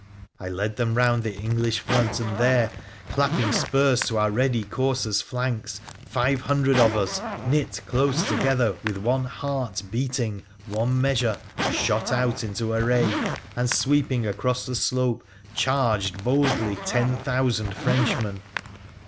I led them round the English front, and there, slapping spurs to our ready coursers' flanks, five hundred of is, knit close together, with one heart beating one measure, ihot out into array, and, sweeping across the slope, charged joldly ten thousand Frenchmen